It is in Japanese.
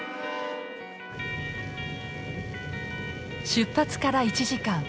出発から１時間。